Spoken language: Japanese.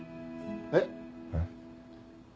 えっ？えっ？